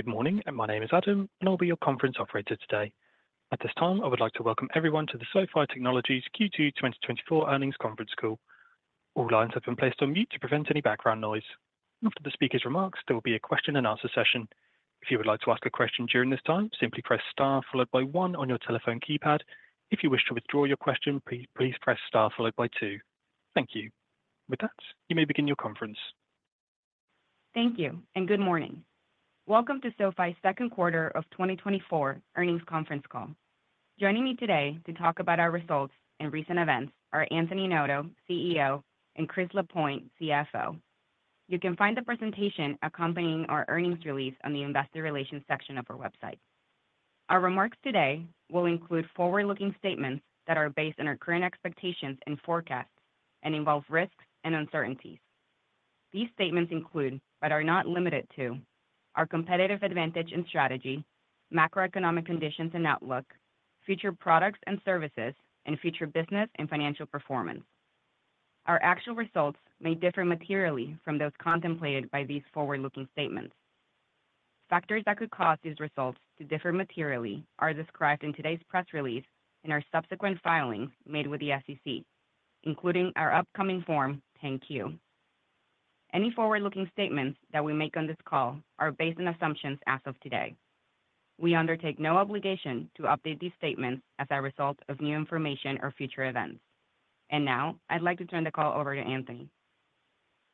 Good morning, and my name is Adam, and I'll be your conference operator today. At this time, I would like to welcome everyone to the SoFi Technologies Q2 2024 earnings conference call. All lines have been placed on mute to prevent any background noise. After the speaker's remarks, there will be a question-and-answer session. If you would like to ask a question during this time, simply press star followed by one on your telephone keypad. If you wish to withdraw your question, please press star followed by two. Thank you. With that, you may begin your conference. Thank you, and good morning. Welcome to SoFi's second quarter of 2024 earnings conference call. Joining me today to talk about our results and recent events are Anthony Noto, CEO, and Chris Lapointe, CFO. You can find the presentation accompanying our earnings release on the investor relations section of our website. Our remarks today will include forward-looking statements that are based on our current expectations and forecasts and involve risks and uncertainties. These statements include, but are not limited to, our competitive advantage and strategy, macroeconomic conditions and outlook, future products and services, and future business and financial performance. Our actual results may differ materially from those contemplated by these forward-looking statements. Factors that could cause these results to differ materially are described in today's press release and our subsequent filings made with the SEC, including our upcoming Form 10-Q. Any forward-looking statements that we make on this call are based on assumptions as of today. We undertake no obligation to update these statements as a result of new information or future events. And now, I'd like to turn the call over to Anthony.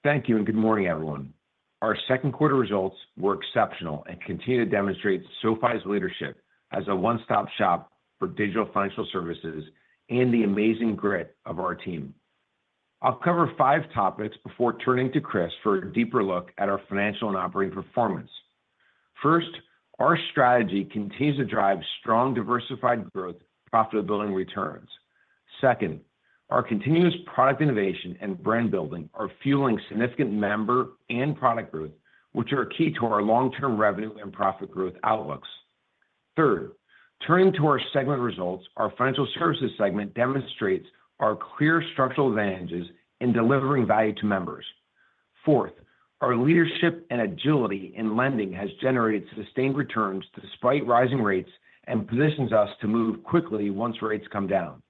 Thank you, and good morning, everyone. Our second-quarter results were exceptional and continue to demonstrate SoFi's leadership as a one-stop-shop for digital financial services and the amazing grit of our team. I'll cover five topics before turning to Chris for a deeper look at our financial and operating performance. First, our strategy continues to drive strong, diversified growth, profitability, and returns. Second, our continuous product innovation and brand building are fueling significant member and product growth, which are key to our long-term revenue and profit growth outlooks. Third, turning to our segment results, our financial services segment demonstrates our clear structural advantages in delivering value to members. Fourth, our leadership and agility in lending has generated sustained returns despite rising rates and positions us to move quickly once rates come down.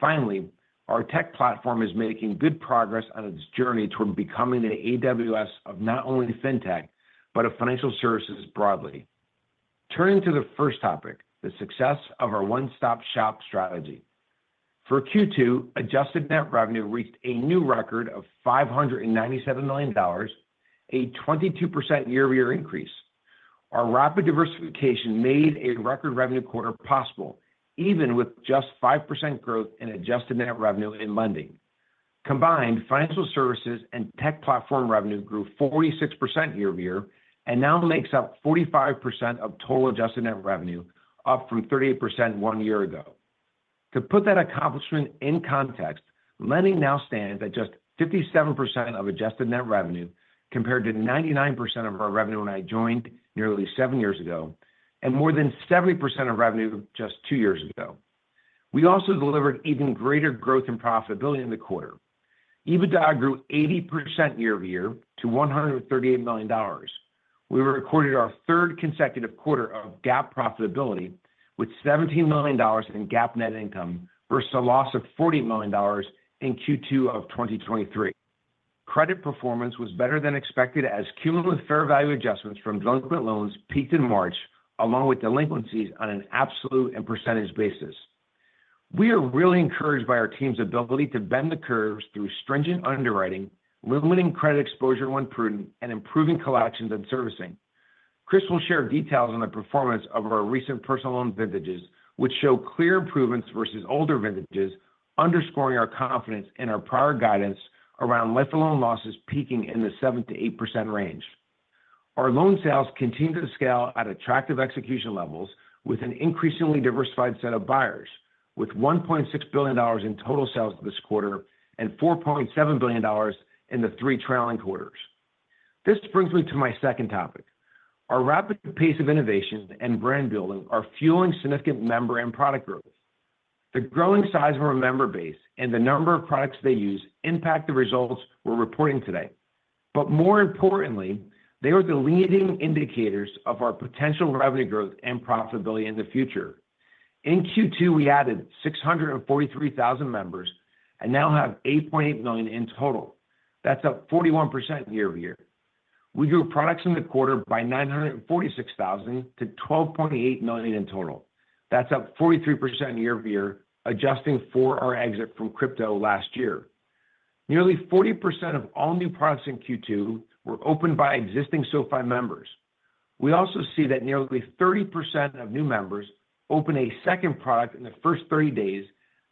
Finally, our tech platform is making good progress on its journey toward becoming the AWS of not only fintech, but of financial services broadly. Turning to the first topic, the success of our one-stop-shop strategy. For Q2, adjusted net revenue reached a new record of $597 million, a 22% year-over-year increase. Our rapid diversification made a record revenue quarter possible, even with just 5% growth in adjusted net revenue and lending. Combined, financial services and tech platform revenue grew 46% year-over-year, and now makes up 45% of total adjusted net revenue, up from 38% one year ago. To put that accomplishment in context, lending now stands at just 57% of adjusted net revenue, compared to 99% of our revenue when I joined nearly seven years ago, and more than 70% of revenue just two years ago. We also delivered even greater growth and profitability in the quarter. EBITDA grew 80% year-over-year to $138 million. We recorded our third consecutive quarter of GAAP profitability, with $17 million in GAAP net income versus a loss of $40 million in Q2 of 2023. Credit performance was better than expected as cumulative fair value adjustments from delinquent loans peaked in March, along with delinquencies on an absolute and percentage basis. We are really encouraged by our team's ability to bend the curves through stringent underwriting, limiting credit exposure to imprudent, and improving collections and servicing. Chris will share details on the performance of our recent personal loan vintages, which show clear improvements versus older vintages, underscoring our confidence in our prior guidance around life of loan losses peaking in the 7%-8% range. Our loan sales continue to scale at attractive execution levels with an increasingly diversified set of buyers, with $1.6 billion in total sales this quarter and $4.7 billion in the three trailing quarters. This brings me to my second topic. Our rapid pace of innovation and brand building are fueling significant member and product growth. The growing size of our member base and the number of products they use impact the results we're reporting today. More importantly, they are the leading indicators of our potential revenue growth and profitability in the future. In Q2, we added 643,000 members and now have 8.8 million in total. That's up 41% year-over-year. We grew products in the quarter by 946,000 to 12.8 million in total. That's up 43% year-over-year, adjusting for our exit from crypto last year. Nearly 40% of all new products in Q2 were opened by existing SoFi members. We also see that nearly 30% of new members open a second product in the first 30 days,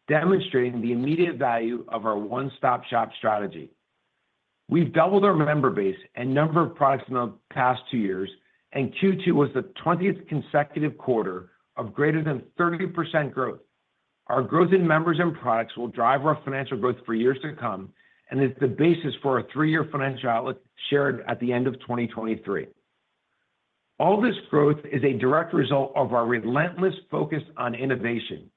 demonstrating the immediate value of our one-stop-shop strategy. We've doubled our member base and number of products in the past two years, and Q2 was the 20th consecutive quarter of greater than 30% growth. Our growth in members and products will drive our financial growth for years to come and is the basis for our three-year financial outlook shared at the end of 2023. All this growth is a direct result of our relentless focus on innovation.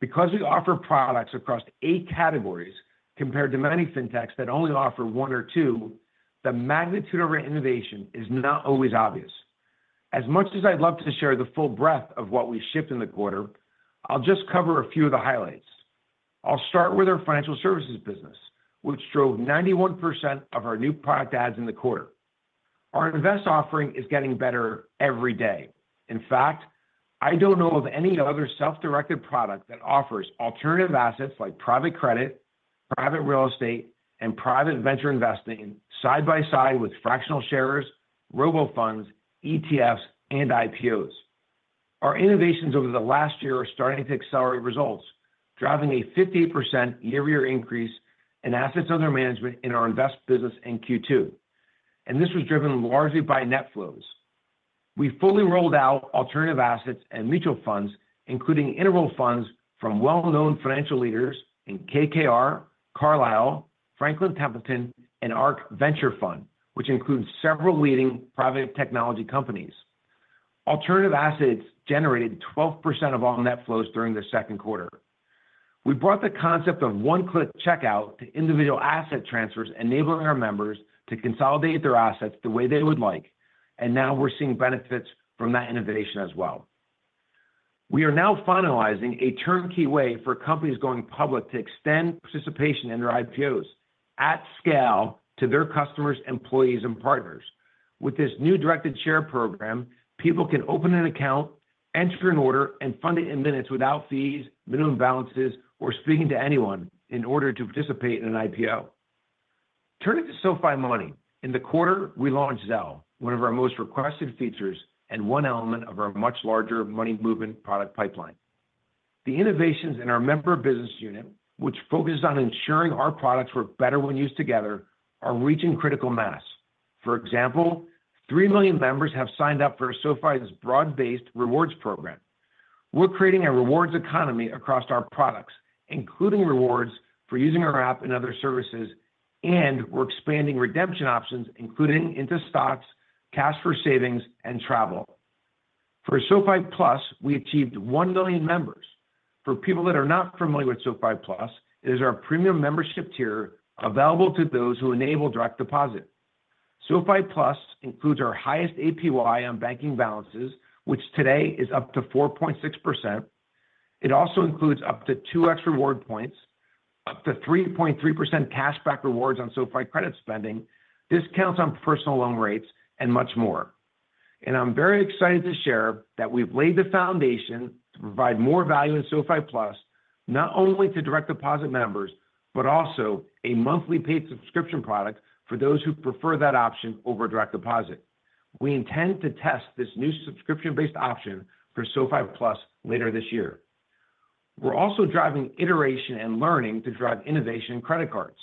Because we offer products across eight categories, compared to many fintechs that only offer one or two, the magnitude of our innovation is not always obvious. As much as I'd love to share the full breadth of what we shipped in the quarter, I'll just cover a few of the highlights. I'll start with our financial services business, which drove 91% of our new product adds in the quarter. Our Invest offering is getting better every day. In fact, I don't know of any other self-directed product that offers alternative assets like private credit, private real estate, and private venture investing side by side with fractional shares, robo funds, ETFs, and IPOs. Our innovations over the last year are starting to accelerate results, driving a 58% year-over-year increase in assets under management in our Invest business in Q2, and this was driven largely by net flows. We fully rolled out alternative assets and mutual funds, including interval funds from well-known financial leaders in KKR, Carlyle, Franklin Templeton, and ARK Venture Fund, which includes several leading private technology companies. Alternative assets generated 12% of all net flows during the second quarter. We brought the concept of one-click checkout to individual asset transfers, enabling our members to consolidate their assets the way they would like, and now we're seeing benefits from that innovation as well. We are now finalizing a turnkey way for companies going public to extend participation in their IPOs at scale to their customers, employees, and partners. With this new Directed Share Program, people can open an account, enter an order, and fund it in minutes without fees, minimum balances, or speaking to anyone in order to participate in an IPO. Turning to SoFi Money. In the quarter, we launched Zelle, one of our most requested features and one element of our much larger Money movement product pipeline. The innovations in our member business unit, which focused on ensuring our products work better when used together, are reaching critical mass. For example, 3 million members have signed up for SoFi's broad-based rewards program. We're creating a rewards economy across our products, including rewards for using our app and other services, and we're expanding redemption options, including into stocks, cash for savings, and travel. For SoFi Plus, we achieved 1 million members. For people that are not familiar with SoFi Plus, it is our premium membership tier available to those who enable direct deposit. SoFi Plus includes our highest APY on banking balances, which today is up to 4.6%. It also includes up to 2x reward points, up to 3.3% cashback rewards on SoFi credit spending, discounts on personal loan rates, and much more. I'm very excited to share that we've laid the foundation to provide more value in SoFi Plus, not only to direct deposit members, but also a monthly paid subscription product for those who prefer that option over direct deposit. We intend to test this new subscription-based option for SoFi Plus later this year. We're also driving iteration and learning to drive innovation in credit cards.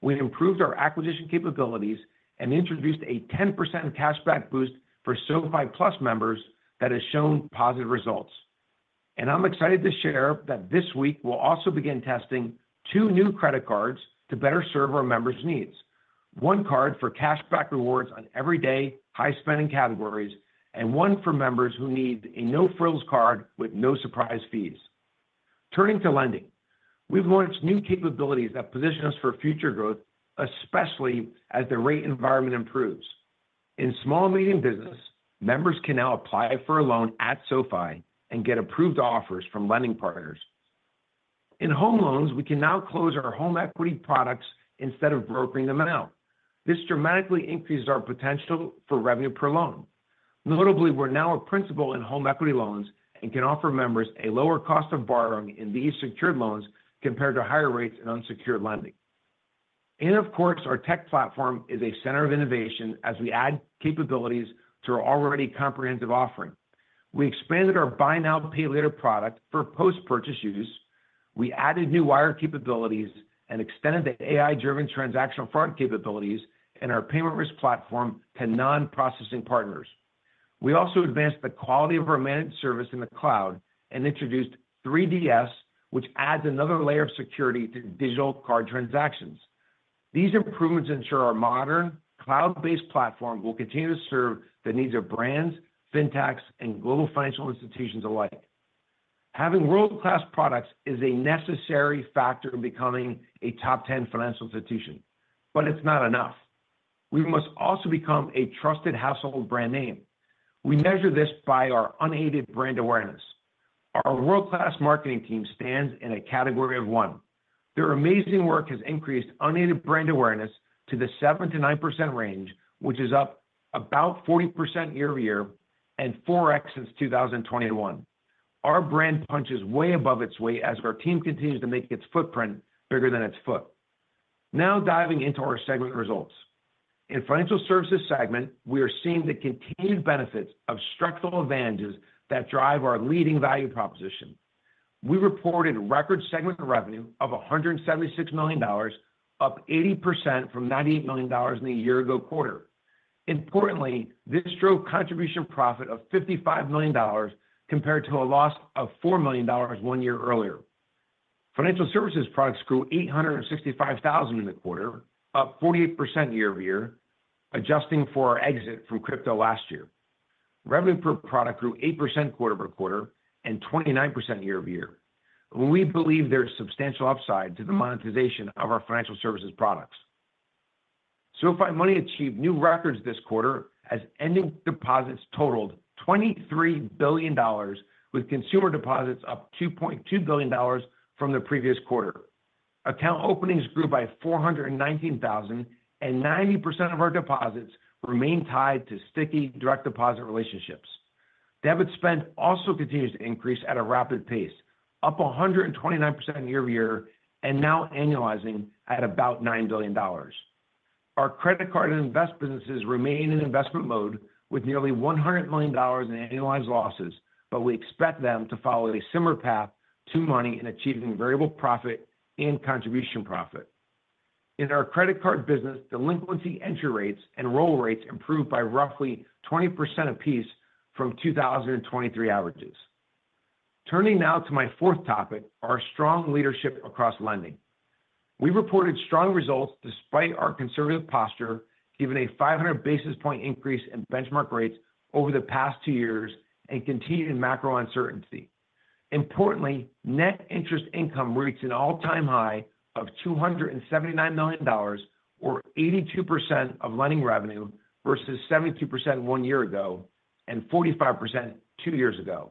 We've improved our acquisition capabilities and introduced a 10% cashback boost for SoFi Plus members that has shown positive results. And I'm excited to share that this week, we'll also begin testing two new credit cards to better serve our members' needs. One card for cashback rewards on everyday, high-spending categories, and one for members who need a no-frills card with no surprise fees. Turning to lending. We've launched new capabilities that position us for future growth, especially as the rate environment improves. In small medium business, members can now apply for a loan at SoFi and get approved offers from lending partners. In home loans, we can now close our home equity products instead of brokering them out. This dramatically increases our potential for revenue per loan. Notably, we're now a principal in home equity loans and can offer members a lower cost of borrowing in these secured loans compared to higher rates in unsecured lending. And of course, our tech platform is a center of innovation as we add capabilities to our already comprehensive offering. We expanded our buy now, pay later product for post-purchase use. We added new wire capabilities and extended the AI-driven transactional fraud capabilities and our payment risk platform to non-processing partners. We also advanced the quality of our managed service in the cloud and introduced 3DS, which adds another layer of security to digital card transactions. These improvements ensure our modern, cloud-based platform will continue to serve the needs of brands, fintechs, and global financial institutions alike. Having world-class products is a necessary factor in becoming a top ten financial institution, but it's not enough. We must also become a trusted household brand name. We measure this by our unaided brand awareness. Our world-class marketing team stands in a category of one. Their amazing work has increased unaided brand awareness to the 7%-9% range, which is up about 40% year-over-year and 4x since 2021. Our brand punches way above its weight as our team continues to make its footprint bigger than its foot. Now, diving into our segment results. In financial services segment, we are seeing the continued benefits of structural advantages that drive our leading value proposition. We reported record segment revenue of $176 million, up 80% from $98 million in the year-ago quarter. Importantly, this drove contribution profit of $55 million compared to a loss of $4 million one year earlier. Financial services products grew $865,000 in the quarter, up 48% year-over-year, adjusting for our exit from crypto last year. Revenue per product grew 8% quarter-over-quarter, and 29% year-over-year. We believe there is substantial upside to the monetization of our financial services products. SoFi Money achieved new records this quarter as ending deposits totaled $23 billion, with consumer deposits up $2.2 billion from the previous quarter. Account openings grew by 419,000, and 90% of our deposits remain tied to sticky direct deposit relationships. Debit spend also continues to increase at a rapid pace, up 129% year-over-year, and now annualizing at about $9 billion. Our credit card and Invest businesses remain in investment mode with nearly $100 million in annualized losses, but we expect them to follow a similar path to Money in achieving variable profit and contribution profit. In our credit card business, delinquency entry rates and roll rates improved by roughly 20% apiece from 2023 averages. Turning now to my fourth topic, our strong leadership across lending. We reported strong results despite our conservative posture, given a 500 basis point increase in benchmark rates over the past two years and continued macro uncertainty. Importantly, net interest income reached an all-time high of $279 million, or 82% of lending revenue, versus 72% one year ago, and 45% two years ago.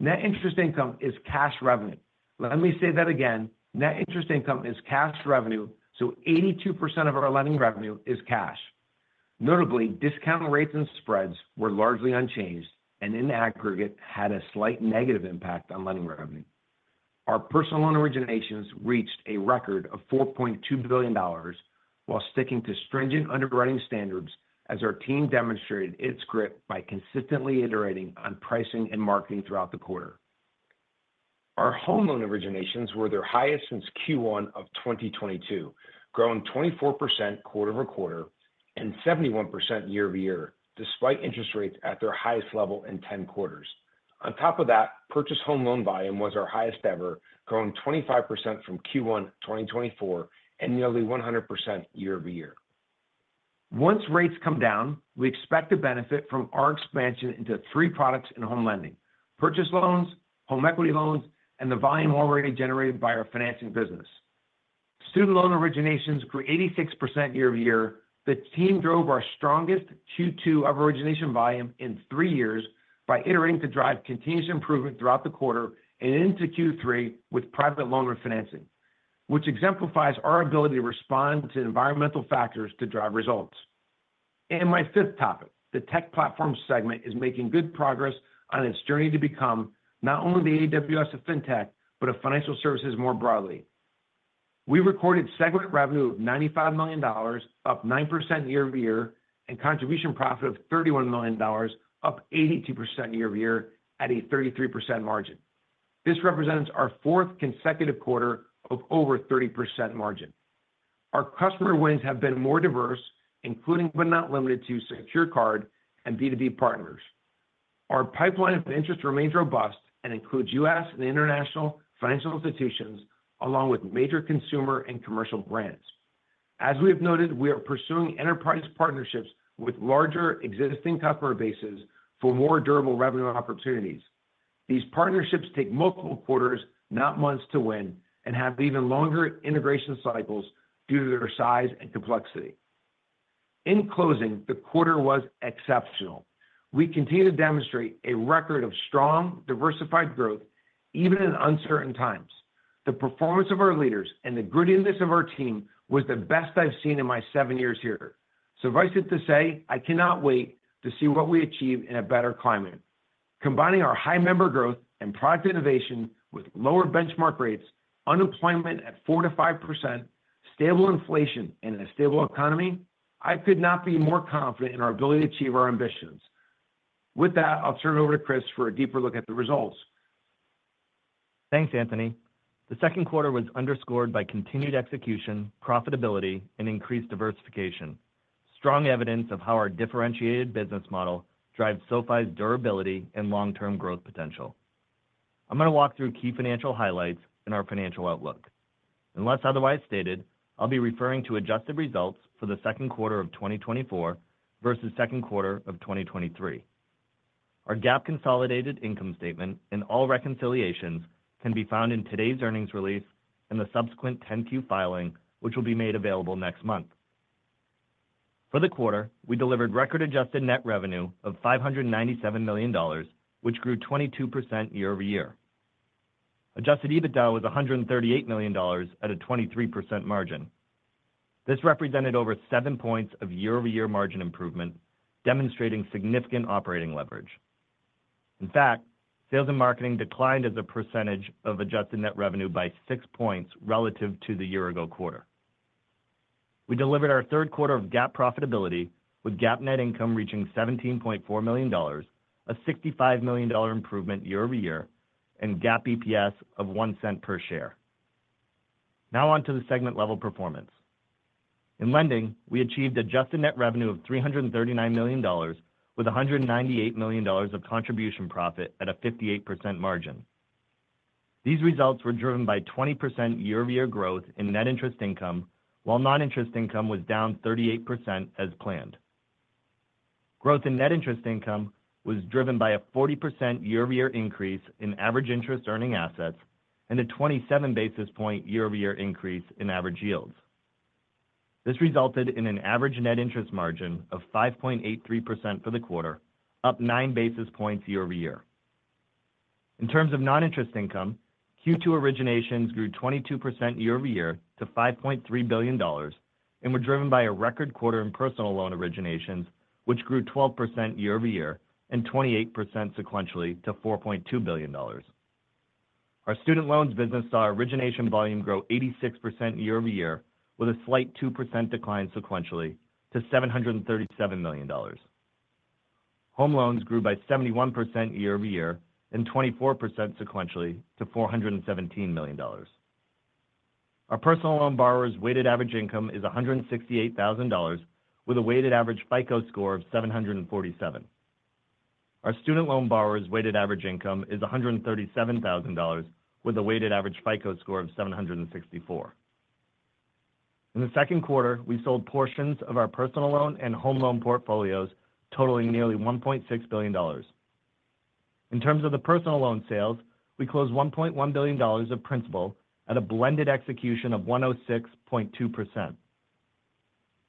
Net interest income is cash revenue. Let me say that again. Net interest income is cash revenue, so 82% of our lending revenue is cash. Notably, discount rates and spreads were largely unchanged and in aggregate, had a slight negative impact on lending revenue. Our personal loan originations reached a record of $4.2 billion while sticking to stringent underwriting standards as our team demonstrated its grit by consistently iterating on pricing and marketing throughout the quarter. Our home loan originations were their highest since Q1 of 2022, growing 24% quarter-over-quarter and 71% year-over-year, despite interest rates at their highest level in 10 quarters. On top of that, purchase home loan volume was our highest ever, growing 25% from Q1 2024, and nearly 100% year-over-year. Once rates come down, we expect to benefit from our expansion into three products in home lending: purchase loans, home equity loans, and the volume already generated by our financing business. Student loan originations grew 86% year-over-year. The team drove our strongest Q2 of origination volume in three years by iterating to drive continuous improvement throughout the quarter and into Q3 with private loan refinancing, which exemplifies our ability to respond to environmental factors to drive results. And my fifth topic, the tech platform segment, is making good progress on its journey to become not only the AWS of Fintech, but of financial services more broadly. We recorded segment revenue of $95 million, up 9% year-over-year, and contribution profit of $31 million, up 82% year-over-year at a 33% margin. This represents our fourth consecutive quarter of over 30% margin. Our customer wins have been more diverse, including, but not limited to, secured card and B2B partners. Our pipeline of interest remains robust and includes U.S. and international financial institutions, along with major consumer and commercial brands. As we have noted, we are pursuing enterprise partnerships with larger existing customer bases for more durable revenue opportunities. These partnerships take multiple quarters, not months, to win and have even longer integration cycles due to their size and complexity. In closing, the quarter was exceptional. We continue to demonstrate a record of strong, diversified growth, even in uncertain times. The performance of our leaders and the grittiness of our team was the best I've seen in my seven years here. Suffice it to say, I cannot wait to see what we achieve in a better climate. Combining our high member growth and product innovation with lower benchmark rates, unemployment at 4%-5%, stable inflation, and a stable economy, I could not be more confident in our ability to achieve our ambitions. With that, I'll turn it over to Chris for a deeper look at the results. Thanks, Anthony. The second quarter was underscored by continued execution, profitability, and increased diversification. Strong evidence of how our differentiated business model drives SoFi's durability and long-term growth potential. I'm going to walk through key financial highlights in our financial outlook. Unless otherwise stated, I'll be referring to adjusted results for the second quarter of 2024 versus second quarter of 2023. Our GAAP consolidated income statement and all reconciliations can be found in today's earnings release and the subsequent 10-Q filing, which will be made available next month. For the quarter, we delivered record-adjusted net revenue of $597 million, which grew 22% year-over-year. Adjusted EBITDA was $138 million at a 23% margin. This represented over 7 points of year-over-year margin improvement, demonstrating significant operating leverage. In fact, sales and marketing declined as a percentage of adjusted net revenue by 6 points relative to the year-ago quarter. We delivered our third quarter of GAAP profitability, with GAAP net income reaching $17.4 million, a $65 million improvement year over year, and GAAP EPS of $0.01 per share. Now on to the segment level performance. In lending, we achieved adjusted net revenue of $339 million, with $198 million of contribution profit at a 58% margin. These results were driven by 20% year-over-year growth in net interest income, while non-interest income was down 38% as planned. Growth in net interest income was driven by a 40% year-over-year increase in average interest earning assets and a 27 basis point year-over-year increase in average yields. This resulted in an average net interest margin of 5.83% for the quarter, up nine basis points year-over-year. In terms of non-interest income, Q2 originations grew 22% year-over-year to $5.3 billion, and were driven by a record quarter in personal loan originations, which grew 12% year-over-year and 28% sequentially to $4.2 billion. Our student loans business saw our origination volume grow 86% year-over-year, with a slight 2% decline sequentially to $737 million. Home loans grew by 71% year-over-year and 24% sequentially to $417 million. Our personal loan borrowers' weighted average income is $168,000, with a weighted average FICO score of 747. Our student loan borrowers' weighted average income is $137,000, with a weighted average FICO score of 764. In the second quarter, we sold portions of our personal loan and home loan portfolios totaling nearly $1.6 billion. In terms of the personal loan sales, we closed $1.1 billion of principal at a blended execution of 106.2%.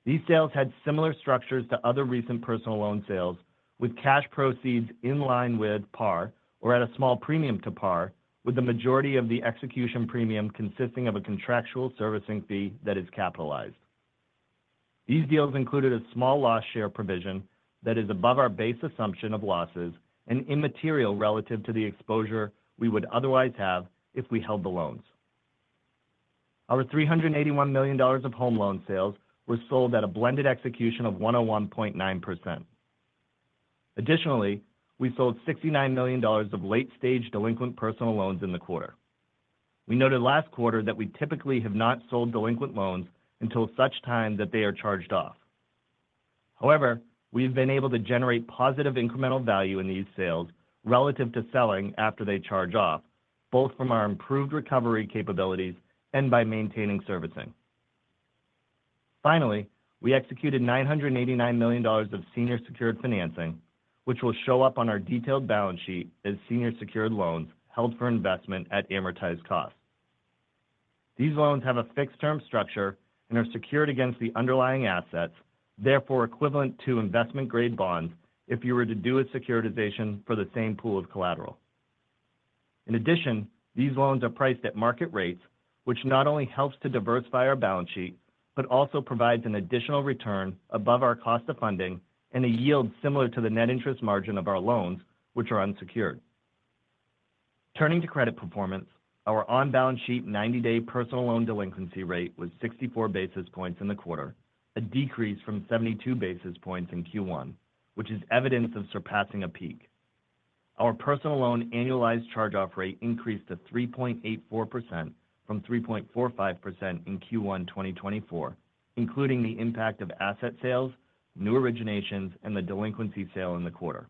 These sales had similar structures to other recent personal loan sales, with cash proceeds in line with par or at a small premium to par, with the majority of the execution premium consisting of a contractual servicing fee that is capitalized. These deals included a small loss share provision that is above our base assumption of losses and immaterial relative to the exposure we would otherwise have if we held the loans. Our $381 million of home loan sales were sold at a blended execution of 101.9%. Additionally, we sold $69 million of late-stage delinquent personal loans in the quarter. We noted last quarter that we typically have not sold delinquent loans until such time that they are charged off. However, we've been able to generate positive incremental value in these sales relative to selling after they charge off, both from our improved recovery capabilities and by maintaining servicing. Finally, we executed $989 million of senior secured financing, which will show up on our detailed balance sheet as senior secured loans held for investment at amortized cost. These loans have a fixed term structure and are secured against the underlying assets, therefore equivalent to investment-grade bonds if you were to do a securitization for the same pool of collateral. In addition, these loans are priced at market rates, which not only helps to diversify our balance sheet, but also provides an additional return above our cost of funding and a yield similar to the net interest margin of our loans, which are unsecured. Turning to credit performance, our on-balance sheet 90-day personal loan delinquency rate was 64 basis points in the quarter, a decrease from 72 basis points in Q1, which is evidence of surpassing a peak. Our personal loan annualized charge-off rate increased to 3.84% from 3.45% in Q1 2024, including the impact of asset sales, new originations, and the delinquency sale in the quarter.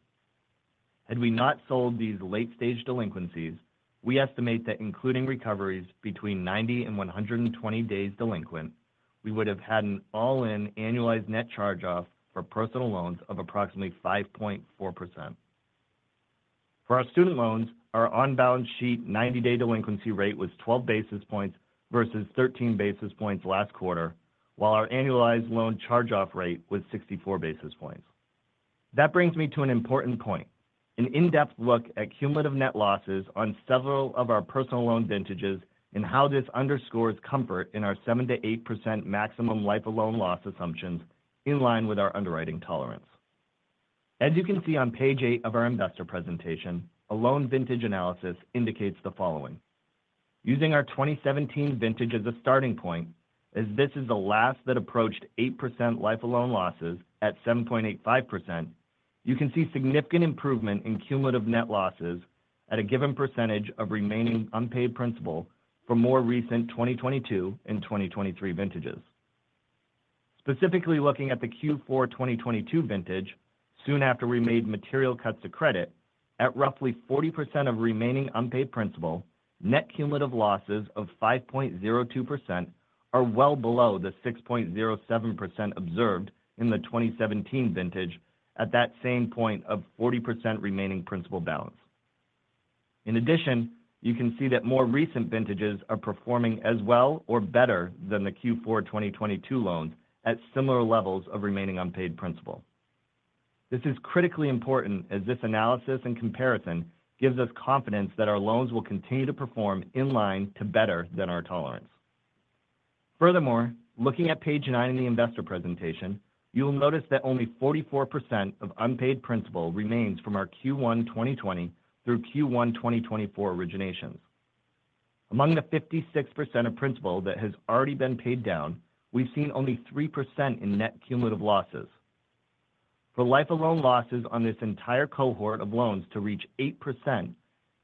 Had we not sold these late-stage delinquencies, we estimate that including recoveries between 90 and 120 days delinquent, we would have had an all-in annualized net charge-off for personal loans of approximately 5.4%. For our student loans, our on-balance sheet ninety-day delinquency rate was 12 basis points versus 13 basis points last quarter, while our annualized loan charge-off rate was 64 basis points. That brings me to an important point, an in-depth look at cumulative net losses on several of our personal loan vintages and how this underscores comfort in our 7%-8% maximum life of loan loss assumptions in line with our underwriting tolerance. As you can see on page eight of our investor presentation, a loan vintage analysis indicates the following: Using our 2017 vintage as a starting point, as this is the last that approached 8% life of loan losses at 7.85%, you can see significant improvement in cumulative net losses at a given percentage of remaining unpaid principal for more recent 2022 and 2023 vintages. Specifically, looking at the Q4 2022 vintage, soon after we made material cuts to credit, at roughly 40% of remaining unpaid principal, net cumulative losses of 5.02% are well below the 6.07% observed in the 2017 vintage at that same point of 40% remaining principal balance. In addition, you can see that more recent vintages are performing as well or better than the Q4 2022 loans at similar levels of remaining unpaid principal. This is critically important, as this analysis and comparison gives us confidence that our loans will continue to perform in line to better than our tolerance. Furthermore, looking at page nine in the investor presentation, you will notice that only 44% of unpaid principal remains from our Q1 2020 through Q1 2024 originations. Among the 56% of principal that has already been paid down, we've seen only 3% in net cumulative losses. For life of loan losses on this entire cohort of loans to reach 8%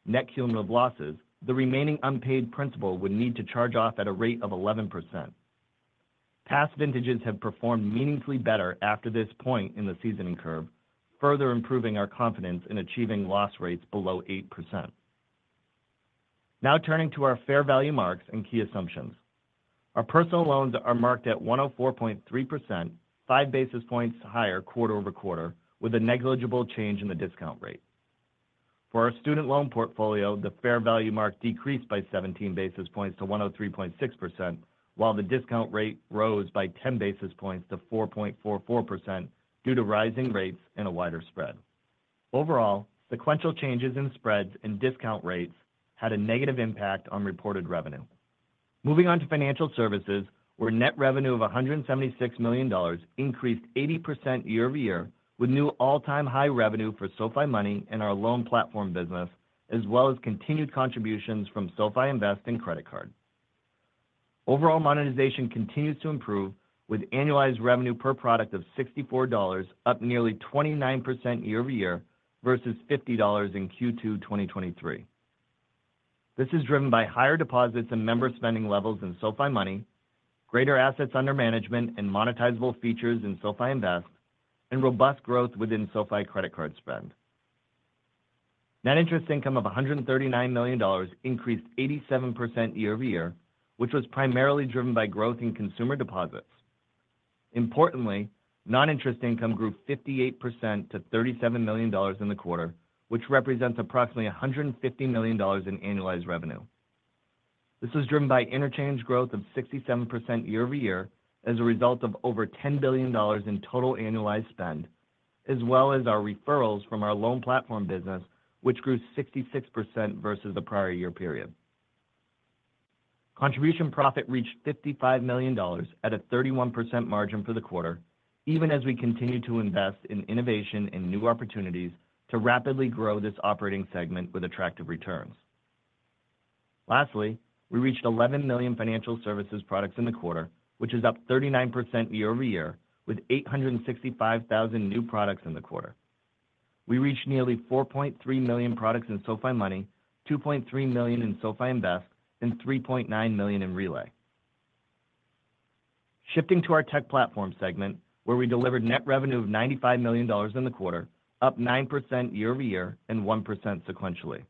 net cumulative losses, the remaining unpaid principal would need to charge off at a rate of 11%. Past vintages have performed meaningfully better after this point in the seasoning curve, further improving our confidence in achieving loss rates below 8%. Now turning to our fair value marks and key assumptions. Our personal loans are marked at 104.3%, five basis points higher quarter over quarter, with a negligible change in the discount rate. For our student loan portfolio, the fair value mark decreased by 17 basis points to 103.6%, while the discount rate rose by 10 basis points to 4.44% due to rising rates and a wider spread. Overall, sequential changes in spreads and discount rates had a negative impact on reported revenue. Moving on to financial services, where net revenue of $176 million increased 80% year-over-year, with new all-time high revenue for SoFi Money and our loan platform business, as well as continued contributions from SoFi Invest and credit card. Overall monetization continues to improve, with annualized revenue per product of $64, up nearly 29% year-over-year, versus $50 in Q2 2023. This is driven by higher deposits and member spending levels in SoFi Money, greater assets under management and monetizable features in SoFi Invest, and robust growth within SoFi Credit Card spend. Net interest income of $139 million increased 87% year-over-year, which was primarily driven by growth in consumer deposits. Importantly, non-interest income grew 58% to $37 million in the quarter, which represents approximately $150 million in annualized revenue. This was driven by interchange growth of 67% year-over-year, as a result of over $10 billion in total annualized spend, as well as our referrals from our loan platform business, which grew 66% versus the prior year period. Contribution profit reached $55 million at a 31% margin for the quarter, even as we continued to invest in innovation and new opportunities to rapidly grow this operating segment with attractive returns. Lastly, we reached 11 million financial services products in the quarter, which is up 39% year-over-year, with 865,000 new products in the quarter. We reached nearly 4.3 million products in SoFi Money, 2.3 million in SoFi Invest, and 3.9 million in Relay. Shifting to our tech platform segment, where we delivered net revenue of $95 million in the quarter, up 9% year-over-year and 1% sequentially.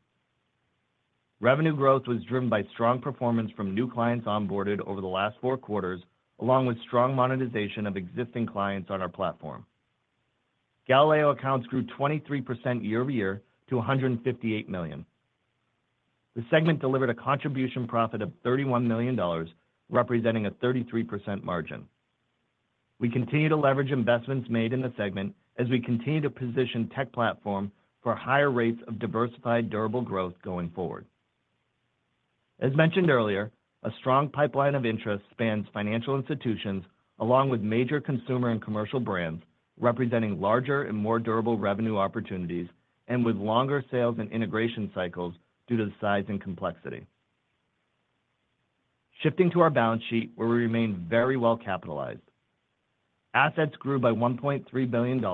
Revenue growth was driven by strong performance from new clients onboarded over the last four quarters, along with strong monetization of existing clients on our platform. Galileo accounts grew 23% year-over-year to $158 million. The segment delivered a contribution profit of $31 million, representing a 33% margin. We continue to leverage investments made in the segment as we continue to position tech platform for higher rates of diversified, durable growth going forward. As mentioned earlier, a strong pipeline of interest spans financial institutions, along with major consumer and commercial brands, representing larger and more durable revenue opportunities and with longer sales and integration cycles due to the size and complexity. Shifting to our balance sheet, where we remain very well capitalized. Assets grew by $1.3 billion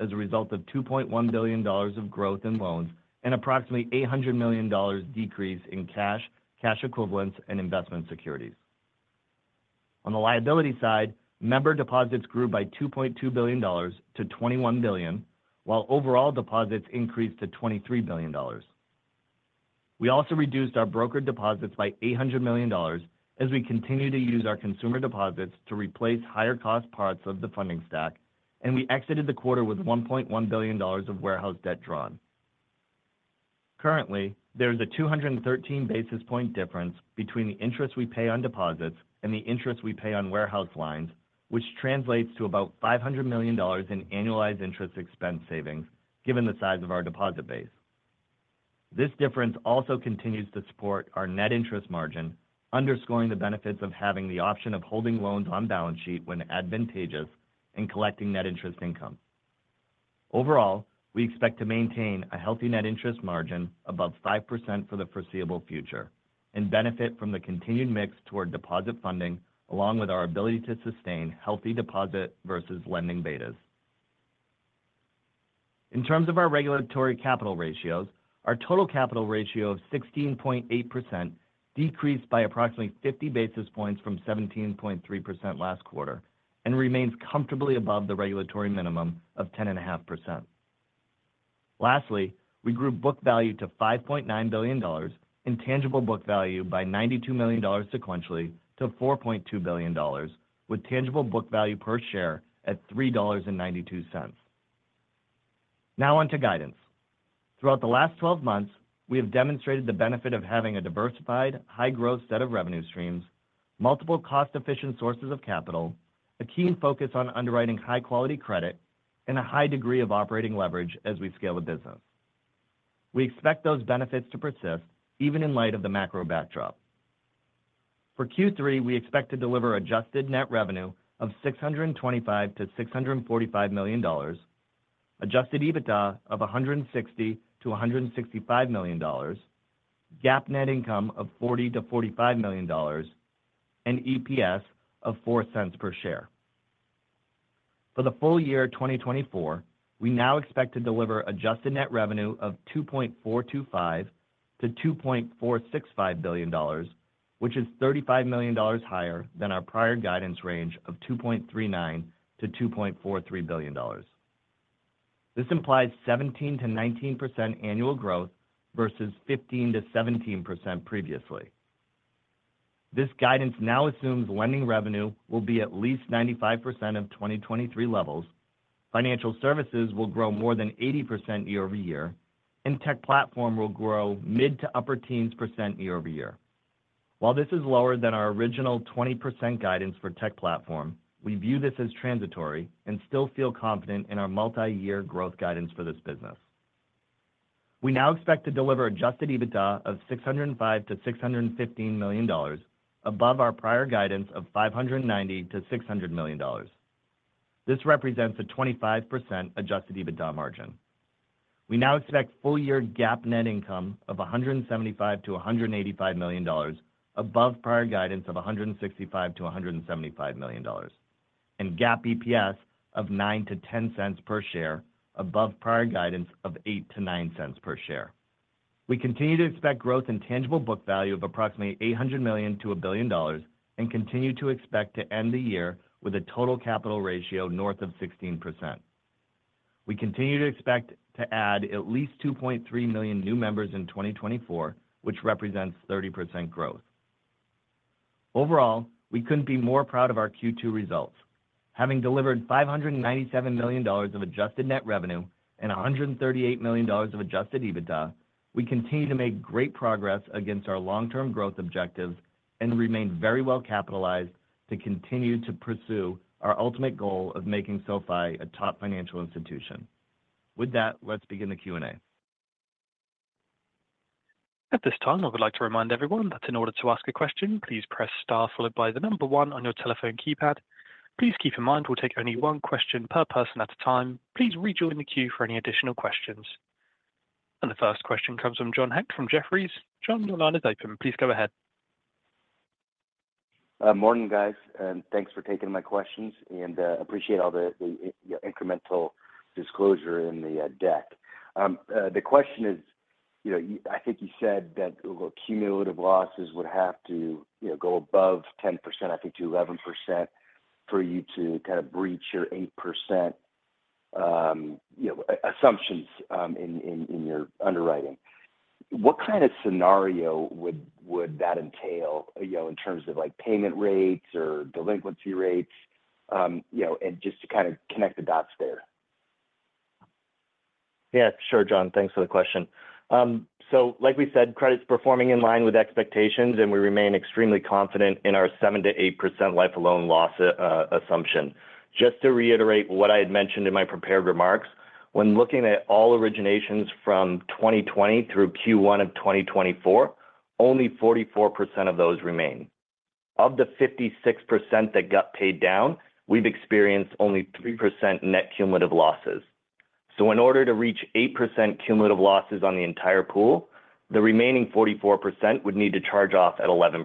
as a result of $2.1 billion of growth in loans and approximately $800 million decrease in cash, cash equivalents, and investment securities. On the liability side, member deposits grew by $2.2 billion to $21 billion, while overall deposits increased to $23 billion. We also reduced our brokered deposits by $800 million as we continue to use our consumer deposits to replace higher cost parts of the funding stack, and we exited the quarter with $1.1 billion of warehouse debt drawn. Currently, there is a 213 basis point difference between the interest we pay on deposits and the interest we pay on warehouse lines, which translates to about $500 million in annualized interest expense savings, given the size of our deposit base. This difference also continues to support our net interest margin, underscoring the benefits of having the option of holding loans on balance sheet when advantageous and collecting net interest income. Overall, we expect to maintain a healthy net interest margin above 5% for the foreseeable future and benefit from the continued mix toward deposit funding, along with our ability to sustain healthy deposit versus lending betas. In terms of our regulatory capital ratios, our total capital ratio of 16.8% decreased by approximately 50 basis points from 17.3% last quarter and remains comfortably above the regulatory minimum of 10.5%. Lastly, we grew book value to $5.9 billion and tangible book value by $92 million sequentially to $4.2 billion, with tangible book value per share at $3.92. Now on to guidance. Throughout the last 12 months, we have demonstrated the benefit of having a diversified, high-growth set of revenue streams, multiple cost-efficient sources of capital, a keen focus on underwriting high-quality credit, and a high degree of operating leverage as we scale the business. We expect those benefits to persist even in light of the macro backdrop. For Q3, we expect to deliver adjusted net revenue of $625 million-$645 million, Adjusted EBITDA of $160 million-$165 million, GAAP net income of $40 million-$45 million, and EPS of $0.04 per share. For the full year 2024, we now expect to deliver adjusted net revenue of $2.425 billion-$2.465 billion, which is $35 million higher than our prior guidance range of $2.39 billion-$2.43 billion. This implies 17%-19% annual growth versus 15%-17% previously. This guidance now assumes lending revenue will be at least 95% of 2023 levels, financial services will grow more than 80% year-over-year, and tech platform will grow mid- to upper-teens percent year-over-year. While this is lower than our original 20% guidance for tech platform, we view this as transitory and still feel confident in our multi-year growth guidance for this business. We now expect to deliver Adjusted EBITDA of $605 million-$615 million, above our prior guidance of $590 million-$600 million. This represents a 25% Adjusted EBITDA margin. We now expect full year GAAP net income of $175 million-$185 million, above prior guidance of $165 million-$175 million, and GAAP EPS of $0.09-$0.10 per share, above prior guidance of $0.08-$0.09 per share. We continue to expect growth in tangible book value of approximately $800 million-$1 billion, and continue to expect to end the year with a total capital ratio north of 16%. We continue to expect to add at least 2.3 million new members in 2024, which represents 30% growth. Overall, we couldn't be more proud of our Q2 results. Having delivered $597 million of adjusted net revenue and $138 million of Adjusted EBITDA, we continue to make great progress against our long-term growth objectives and remain very well capitalized to continue to pursue our ultimate goal of making SoFi a top financial institution. With that, let's begin the Q&A. At this time, I would like to remind everyone that in order to ask a question, please press star followed by the number one on your telephone keypad. Please keep in mind, we'll take only one question per person at a time. Please rejoin the queue for any additional questions. The first question comes from John Hecht from Jefferies. John, your line is open. Please go ahead. Morning, guys, and thanks for taking my questions, and appreciate all the the incremental disclosure in the deck. The question is, you know, you—I think you said that the cumulative losses would have to, you know, go above 10%, I think to 11%, for you to kind of breach your 8%, you know, assumptions in your underwriting. What kind of scenario would that entail, you know, in terms of like payment rates or delinquency rates? You know, and just to kind of connect the dots there. Yeah, sure, John. Thanks for the question. So like we said, credit's performing in line with expectations, and we remain extremely confident in our 7%-8% lifetime loss assumption. Just to reiterate what I had mentioned in my prepared remarks, when looking at all originations from 2020 through Q1 of 2024, only 44% of those remain. Of the 56% that got paid down, we've experienced only 3% net cumulative losses. So in order to reach 8% cumulative losses on the entire pool, the remaining 44% would need to charge off at 11%.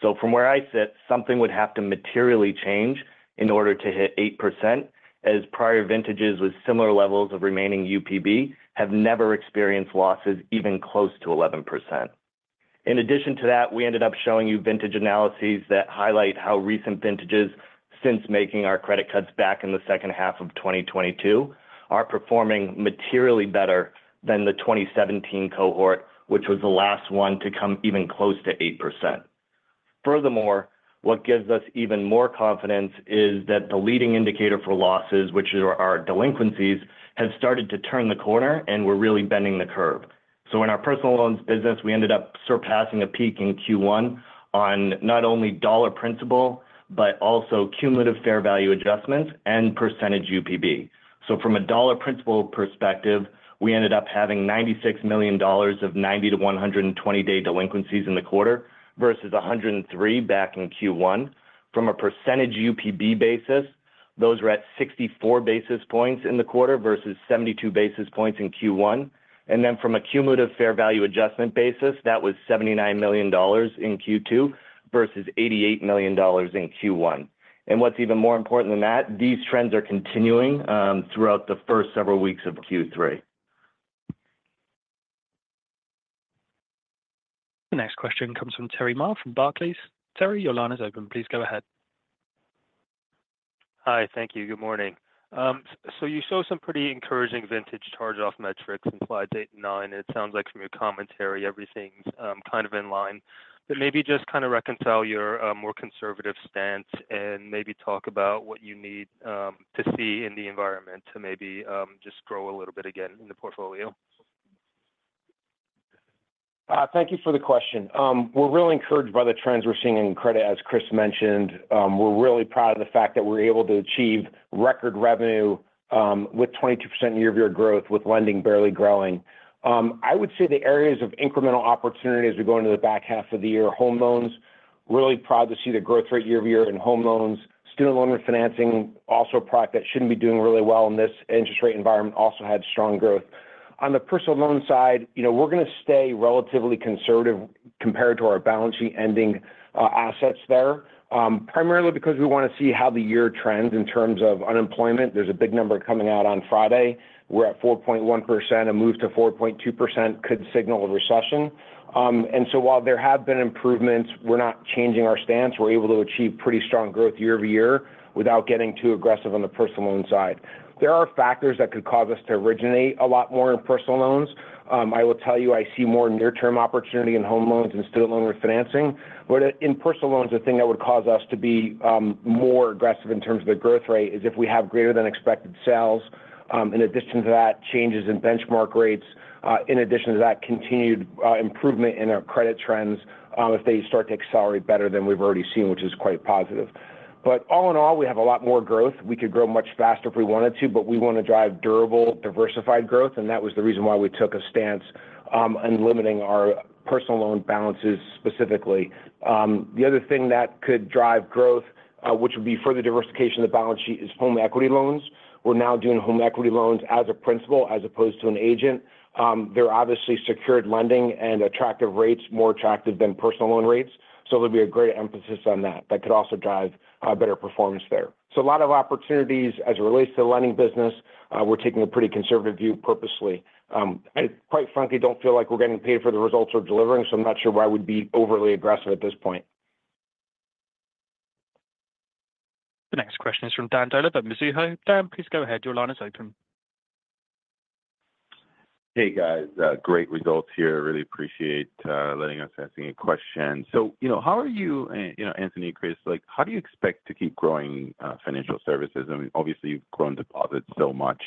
So from where I sit, something would have to materially change in order to hit 8%, as prior vintages with similar levels of remaining UPB have never experienced losses even close to 11%. In addition to that, we ended up showing you vintage analyses that highlight how recent vintages, since making our credit cuts back in the second half of 2022, are performing materially better than the 2017 cohort, which was the last one to come even close to 8%. Furthermore, what gives us even more confidence is that the leading indicator for losses, which are our delinquencies, have started to turn the corner, and we're really bending the curve. So in our personal loans business, we ended up surpassing a peak in Q1 on not only dollar principal, but also cumulative fair value adjustments and percentage UPB. So from a dollar principal perspective, we ended up having $96 million of 90- to 120-day delinquencies in the quarter versus $103 million back in Q1. From a percentage UPB basis, those were at 64 basis points in the quarter versus 72 basis points in Q1. And then from a cumulative fair value adjustment basis, that was $79 million in Q2 versus $88 million in Q1. And what's even more important than that, these trends are continuing throughout the first several weeks of Q3. The next question comes from Terry Ma from Barclays. Terry, your line is open. Please go ahead. Hi. Thank you. Good morning. So you saw some pretty encouraging vintage charge-off metrics, implied 8 and 9. It sounds like from your commentary, everything's kind of in line. But maybe just kind of reconcile your more conservative stance and maybe talk about what you need to see in the environment to maybe just grow a little bit again in the portfolio. Thank you for the question. We're really encouraged by the trends we're seeing in credit, as Chris mentioned. We're really proud of the fact that we're able to achieve record revenue with 22% year-over-year growth, with lending barely growing. I would say the areas of incremental opportunity as we go into the back half of the year, home loans. Really proud to see the growth rate year-over-year in home loans. Student loan refinancing, also a product that shouldn't be doing really well in this interest rate environment, also had strong growth. On the personal loan side, you know, we're gonna stay relatively conservative compared to our balance sheet ending, assets there, primarily because we want to see how the year trends in terms of unemployment. There's a big number coming out on Friday. We're at 4.1%. A move to 4.2% could signal a recession. And so while there have been improvements, we're not changing our stance. We're able to achieve pretty strong growth year-over-year without getting too aggressive on the personal loan side. There are factors that could cause us to originate a lot more in personal loans. I will tell you, I see more near-term opportunity in home loans and student loan refinancing. But in personal loans, the thing that would cause us to be more aggressive in terms of the growth rate is if we have greater than expected sales. In addition to that, changes in benchmark rates. In addition to that, continued improvement in our credit trends, if they start to accelerate better than we've already seen, which is quite positive. But all in all, we have a lot more growth. We could grow much faster if we wanted to, but we want to drive durable, diversified growth, and that was the reason why we took a stance on limiting our personal loan balances, specifically. The other thing that could drive growth, which would be further diversification of the balance sheet, is home equity loans. We're now doing home equity loans as a principal as opposed to an agent. They're obviously secured lending and attractive rates, more attractive than personal loan rates, so there'll be a great emphasis on that. That could also drive better performance there. So a lot of opportunities as it relates to the lending business, we're taking a pretty conservative view purposely. I, quite frankly, don't feel like we're getting paid for the results we're delivering, so I'm not sure why we'd be overly aggressive at this point. The next question is from Dan Dolev of Mizuho. Dan, please go ahead. Your line is open. Hey, guys, great results here. I really appreciate letting us asking you questions. So, you know, how are you, and, you know, Anthony, Chris, like, how do you expect to keep growing financial services? I mean, obviously, you've grown deposits so much.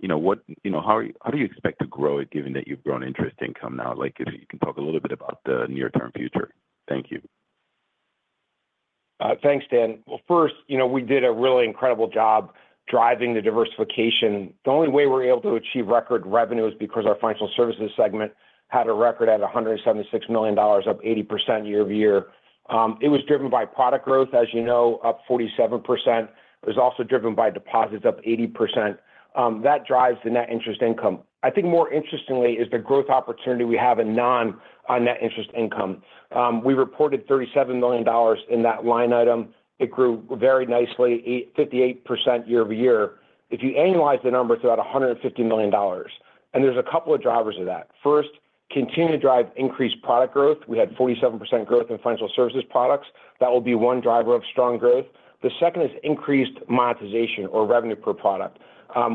You know, how do you expect to grow it, given that you've grown interest income now? Like, if you can talk a little bit about the near-term future. Thank you. Thanks, Dan. Well, first, you know, we did a really incredible job driving the diversification. The only way we're able to achieve record revenue is because our financial services segment had a record at $176 million, up 80% year-over-year. It was driven by product growth, as you know, up 47%. It was also driven by deposits up 80%. That drives the net interest income. I think more interestingly is the growth opportunity we have in non-net interest income. We reported $37 million in that line item. It grew very nicely, 58% year-over-year. If you annualize the number, it's about $150 million, and there's a couple of drivers of that. First, continue to drive increased product growth. We had 47% growth in financial services products. That will be one driver of strong growth. The second is increased monetization or revenue per product.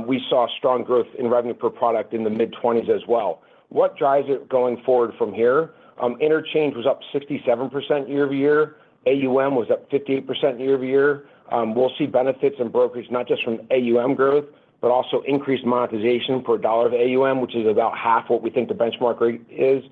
We saw strong growth in revenue per product in the mid-20s as well. What drives it going forward from here? Interchange was up 67% year-over-year. AUM was up 58% year-over-year. We'll see benefits in brokerage, not just from AUM growth, but also increased monetization per dollar of AUM, which is about half what we think the benchmark rate is.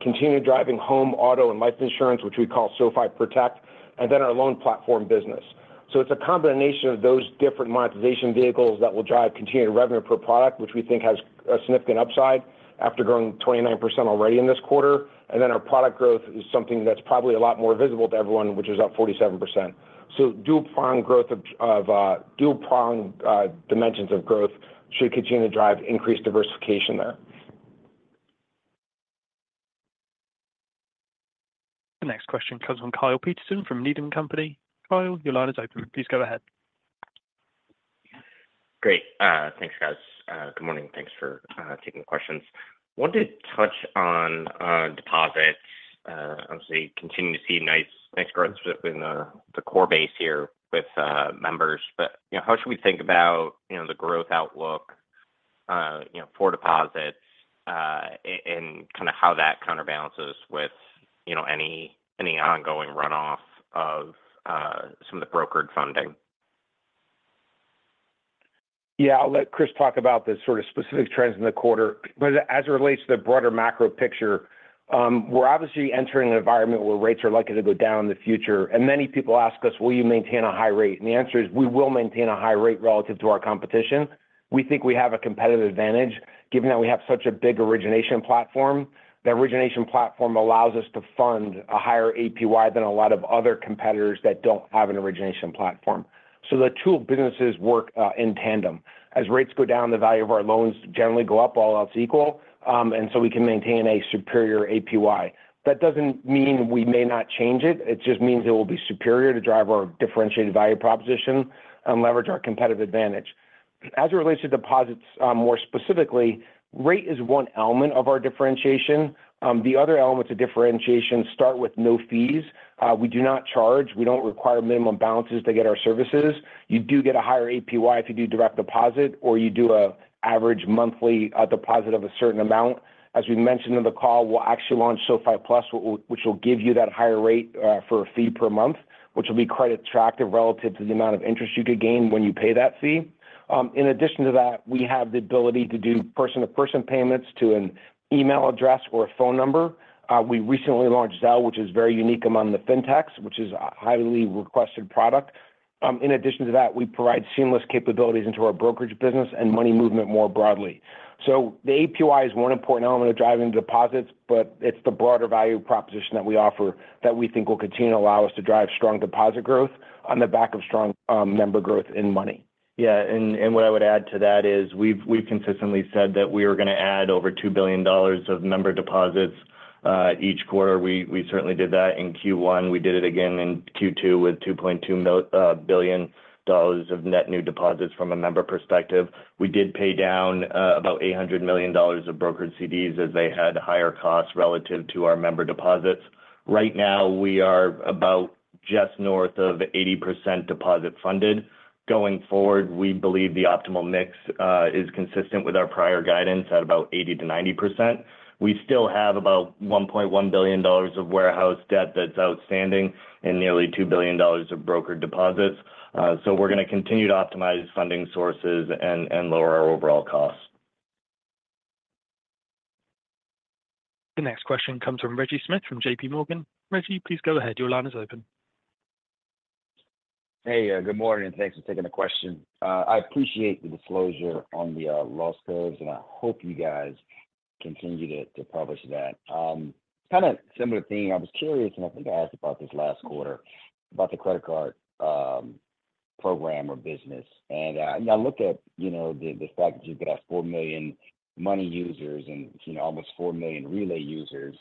Continue driving home, auto, and life insurance, which we call SoFi Protect, and then our loan platform business. So it's a combination of those different monetization vehicles that will drive continued revenue per product, which we think has a significant upside after growing 29% already in this quarter. Then our product growth is something that's probably a lot more visible to everyone, which is up 47%. So dual-prong growth of dual-prong dimensions of growth should continue to drive increased diversification there. The next question comes from Kyle Peterson from Needham & Company. Kyle, your line is open. Please go ahead. Great. Thanks, guys. Good morning. Thanks for taking the questions. Wanted to touch on deposits. Obviously, you continue to see nice, nice growth, specifically in the core base here with members. But, you know, how should we think about, you know, the growth outlook, you know, for deposits, and kind of how that counterbalances with, you know, any ongoing runoff of some of the brokered funding? Yeah, I'll let Chris talk about the sort of specific trends in the quarter. But as it relates to the broader macro picture, we're obviously entering an environment where rates are likely to go down in the future, and many people ask us, "Will you maintain a high rate?" And the answer is, we will maintain a high rate relative to our competition. We think we have a competitive advantage, given that we have such a big origination platform. The origination platform allows us to fund a higher APY than a lot of other competitors that don't have an origination platform. So the two businesses work in tandem. As rates go down, the value of our loans generally go up, all else equal. And so we can maintain a superior APY. That doesn't mean we may not change it. It just means it will be superior to drive our differentiated value proposition and leverage our competitive advantage. As it relates to deposits, more specifically, rate is one element of our differentiation. The other elements of differentiation start with no fees. We do not charge. We don't require minimum balances to get our services. You do get a higher APY if you do direct deposit, or you do an average monthly deposit of a certain amount. As we mentioned in the call, we'll actually launch SoFi Plus, which will give you that higher rate, for a fee per month, which will be quite attractive relative to the amount of interest you could gain when you pay that fee. In addition to that, we have the ability to do person-to-person payments to an email address or a phone number. We recently launched Zelle, which is very unique among the fintechs, which is a highly requested product. In addition to that, we provide seamless capabilities into our brokerage business and Money movement more broadly. So the APY is one important element of driving deposits, but it's the broader value proposition that we offer that we think will continue to allow us to drive strong deposit growth on the back of strong member growth in Money. Yeah, and what I would add to that is, we've consistently said that we are gonna add over $2 billion of member deposits each quarter, we, we certainly did that in Q1. We did it again in Q2 with $2.2 billion of net new deposits from a member perspective. We did pay down about $800 million of brokered CDs as they had higher costs relative to our member deposits. Right now, we are about just north of 80% deposit funded. Going forward, we believe the optimal mix is consistent with our prior guidance at about 80%-90%. We still have about $1.1 billion of warehouse debt that's outstanding and nearly $2 billion of brokered deposits. So we're going to continue to optimize funding sources and lower our overall costs. The next question comes from Reggie Smith from J.P. Morgan. Reggie, please go ahead. Your line is open. Hey, good morning, and thanks for taking the question. I appreciate the disclosure on the loss curves, and I hope you guys continue to publish that. Kind of similar theme. I was curious, and I think I asked about this last quarter, about the credit card program or business. And I look at, you know, the fact that you've got 4 million Money users and, you know, almost 4 million Relay users,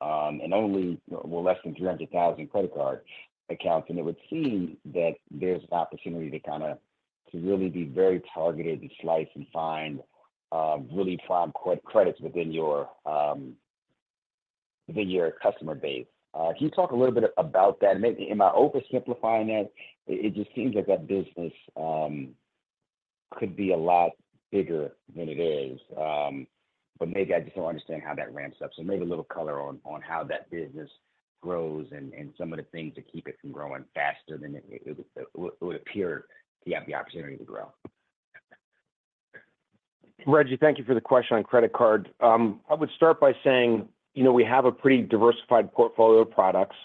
and only, well, less than 300,000 credit card accounts. And it would seem that there's an opportunity to really be very targeted and slice and find really prime credits within your customer base. Can you talk a little bit about that? And maybe am I oversimplifying that? It just seems like that business could be a lot bigger than it is. But maybe I just don't understand how that ramps up. So maybe a little color on how that business grows and some of the things that keep it from growing faster than it would appear to have the opportunity to grow. Reggie, thank you for the question on credit card. I would start by saying, you know, we have a pretty diversified portfolio of products.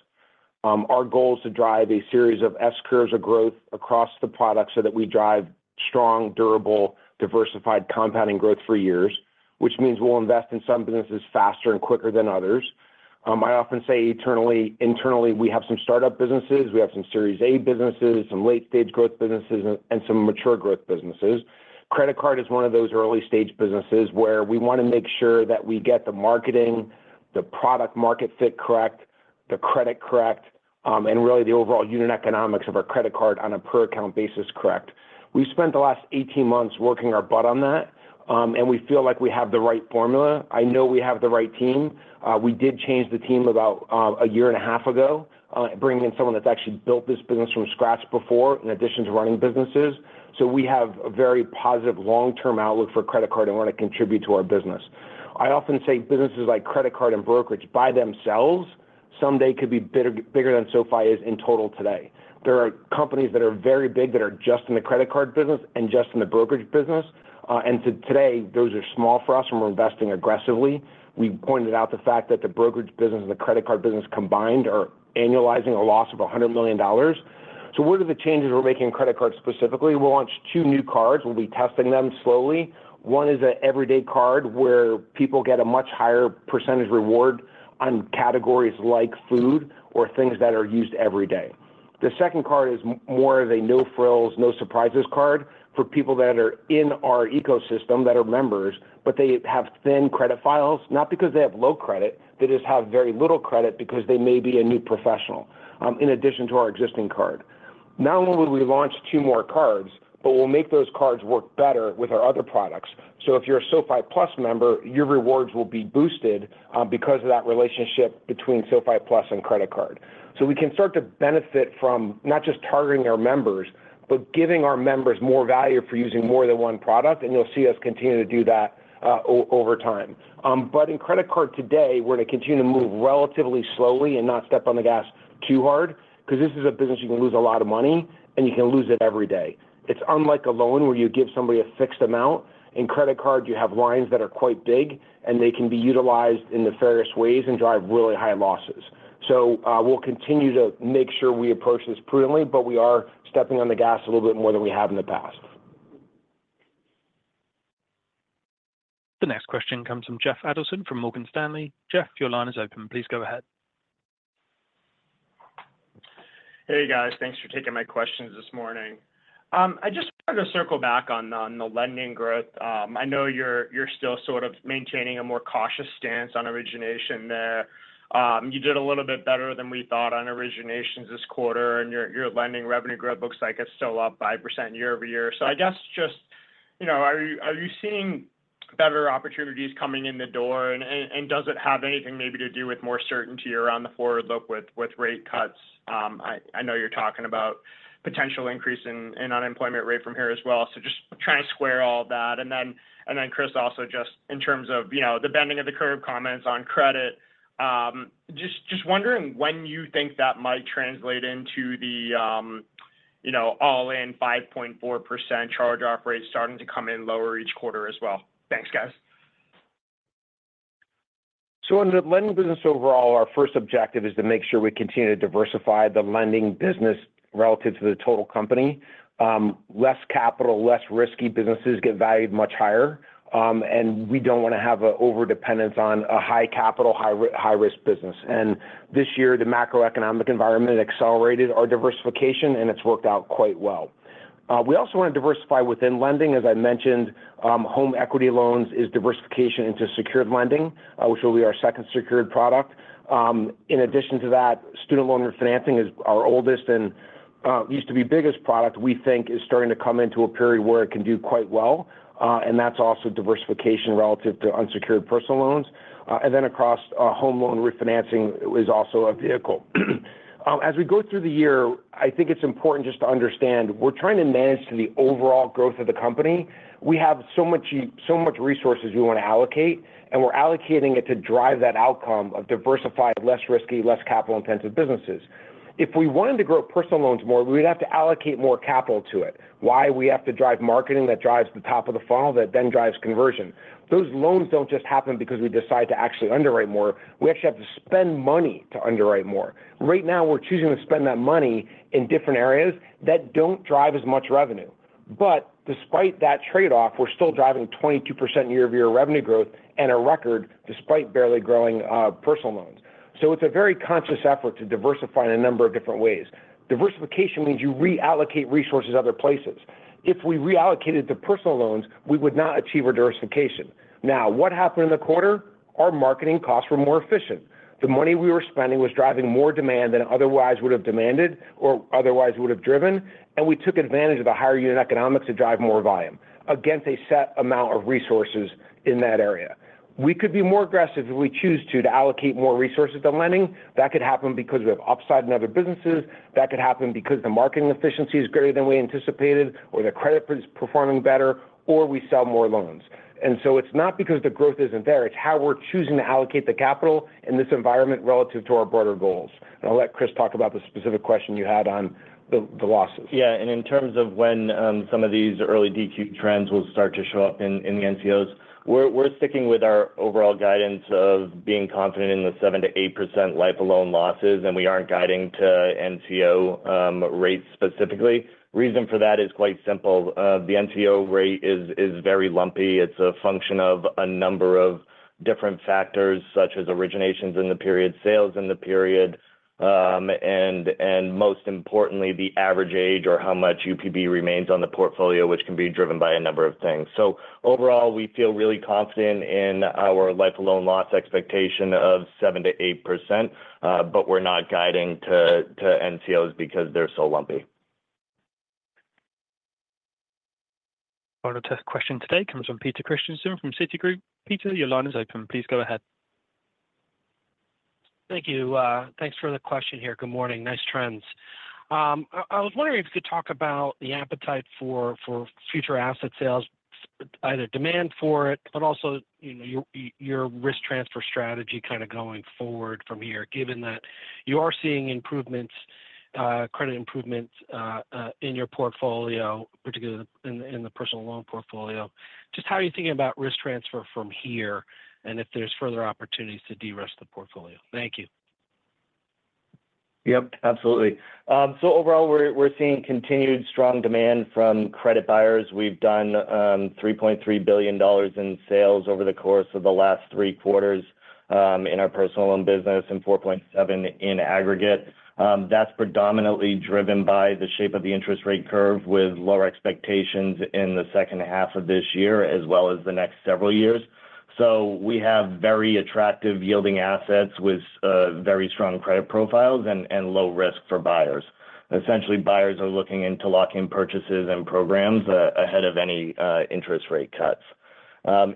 Our goal is to drive a series of S curves of growth across the product, so that we drive strong, durable, diversified, compounding growth for years, which means we'll invest in some businesses faster and quicker than others. I often say internally, we have some startup businesses, we have some Series A businesses, some late-stage growth businesses, and some mature growth businesses. Credit card is one of those early-stage businesses where we want to make sure that we get the marketing, the product-market fit correct, the credit correct, and really the overall unit economics of our credit card on a per-account basis correct. We spent the last 18 months working our butt off on that, and we feel like we have the right formula. I know we have the right team. We did change the team about a year and a half ago, bringing in someone that's actually built this business from scratch before, in addition to running businesses. So we have a very positive long-term outlook for credit card and want to contribute to our business. I often say businesses like credit card and brokerage by themselves, someday could be bigger, bigger than SoFi is in total today. There are companies that are very big, that are just in the credit card business and just in the brokerage business. And today, those are small for us, and we're investing aggressively. We pointed out the fact that the brokerage business and the credit card business combined are annualizing a loss of $100 million. So what are the changes we're making in credit card specifically? We'll launch two new cards. We'll be testing them slowly. One is an everyday card, where people get a much higher percentage reward on categories like food or things that are used every day. The second card is more of a no-frills, no-surprises card for people that are in our ecosystem, that are members, but they have thin credit files, not because they have low credit. They just have very little credit because they may be a new professional, in addition to our existing card. Not only will we launch two more cards, but we'll make those cards work better with our other products. So if you're a SoFi Plus member, your rewards will be boosted, because of that relationship between SoFi Plus and credit card. So we can start to benefit from not just targeting our members, but giving our members more value for using more than one product, and you'll see us continue to do that, over time. But in credit card today, we're going to continue to move relatively slowly and not step on the gas too hard, 'cause this is a business you can lose a lot of money, and you can lose it every day. It's unlike a loan, where you give somebody a fixed amount. In credit card, you have lines that are quite big, and they can be utilized in the fairest ways and drive really high losses. So, we'll continue to make sure we approach this prudently, but we are stepping on the gas a little bit more than we have in the past. The next question comes from Jeff Adelson from Morgan Stanley. Jeff, your line is open. Please go ahead. Hey, guys. Thanks for taking my questions this morning. I just wanted to circle back on the lending growth. I know you're still sort of maintaining a more cautious stance on origination there. You did a little bit better than we thought on originations this quarter, and your lending revenue growth looks like it's still up 5% year-over-year. So I guess just, you know, are you seeing better opportunities coming in the door, and does it have anything maybe to do with more certainty around the forward look with rate cuts? I know you're talking about potential increase in unemployment rate from here as well. So just trying to square all that. And then, Chris, also just in terms of, you know, the bending of the curve, comments on credit. Just, just wondering when you think that might translate into the, you know, all-in 5.4% charge-off rate starting to come in lower each quarter as well. Thanks, guys. So in the lending business overall, our first objective is to make sure we continue to diversify the lending business relative to the total company. Less capital, less risky businesses get valued much higher, and we don't want to have an overdependence on a high capital, high-risk business. And this year, the macroeconomic environment accelerated our diversification, and it's worked out quite well. We also want to diversify within lending. As I mentioned, home equity loans is diversification into secured lending, which will be our second secured product. In addition to that, student loan refinancing is our oldest and, used to be biggest product, we think is starting to come into a period where it can do quite well, and that's also diversification relative to unsecured personal loans. And then across, home loan refinancing is also a vehicle. As we go through the year, I think it's important just to understand, we're trying to manage the overall growth of the company. We have so much resources we want to allocate, and we're allocating it to drive that outcome of diversified, less risky, less capital-intensive businesses. If we wanted to grow personal loans more, we would have to allocate more capital to it. Why? We have to drive marketing that drives the top of the funnel, that then drives conversion. Those loans don't just happen because we decide to actually underwrite more. We actually have to spend money to underwrite more. Right now, we're choosing to spend that money in different areas that don't drive as much revenue. But despite that trade-off, we're still driving 22% year-over-year revenue growth and a record despite barely growing personal loans. It's a very conscious effort to diversify in a number of different ways. Diversification means you reallocate resources other places. If we reallocated to personal loans, we would not achieve a diversification. Now, what happened in the quarter? Our marketing costs were more efficient. The money we were spending was driving more demand than otherwise would have demanded or otherwise would have driven, and we took advantage of the higher unit economics to drive more volume. Against a set amount of resources in that area. We could be more aggressive if we choose to, to allocate more resources to lending. That could happen because we have upside in other businesses, that could happen because the marketing efficiency is greater than we anticipated, or the credit is performing better, or we sell more loans. And so it's not because the growth isn't there, it's how we're choosing to allocate the capital in this environment relative to our broader goals. And I'll let Chris talk about the specific question you had on the losses. Yeah, and in terms of when some of these early DQ trends will start to show up in the NCOs, we're sticking with our overall guidance of being confident in the 7%-8% lifetime loan losses, and we aren't guiding to NCO rates specifically. Reason for that is quite simple. The NCO rate is very lumpy. It's a function of a number of different factors, such as originations in the period, sales in the period, and most importantly, the average age or how much UPB remains on the portfolio, which can be driven by a number of things. So overall, we feel really confident in our lifetime loan loss expectation of 7%-8%, but we're not guiding to NCOs because they're so lumpy. Final test question today comes from Peter Christiansen from Citigroup. Peter, your line is open. Please go ahead. Thank you. Thanks for the question here. Good morning. Nice trends. I was wondering if you could talk about the appetite for future asset sales, either demand for it, but also, you know, your risk transfer strategy kind of going forward from here, given that you are seeing improvements, credit improvements, in your portfolio, particularly in the personal loan portfolio. Just how are you thinking about risk transfer from here, and if there's further opportunities to de-risk the portfolio? Thank you. Yep, absolutely. So overall, we're seeing continued strong demand from credit buyers. We've done $3.3 billion in sales over the course of the last three quarters in our personal loan business and $4.7 billion in aggregate. That's predominantly driven by the shape of the interest rate curve, with lower expectations in the second half of this year, as well as the next several years. So we have very attractive yielding assets with very strong credit profiles and low risk for buyers. Essentially, buyers are looking into locking purchases and programs ahead of any interest rate cuts.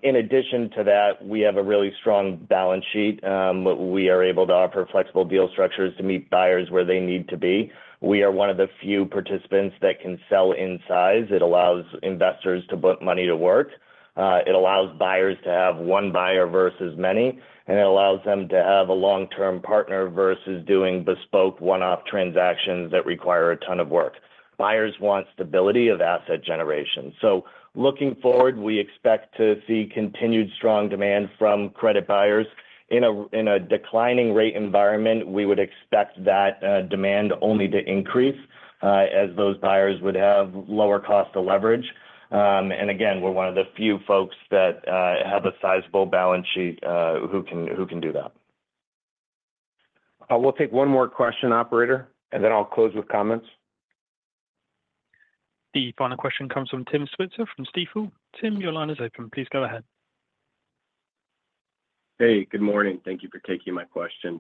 In addition to that, we have a really strong balance sheet, but we are able to offer flexible deal structures to meet buyers where they need to be. We are one of the few participants that can sell in size. It allows investors to put money to work. It allows buyers to have one buyer versus many, and it allows them to have a long-term partner versus doing bespoke one-off transactions that require a ton of work. Buyers want stability of asset generation. So looking forward, we expect to see continued strong demand from credit buyers. In a declining rate environment, we would expect that demand only to increase, as those buyers would have lower cost of leverage. And again, we're one of the few folks that have a sizable balance sheet, who can do that. We'll take one more question, operator, and then I'll close with comments. The final question comes from Tim Switzer from Stifel. Tim, your line is open. Please go ahead. Hey, good morning. Thank you for taking my question.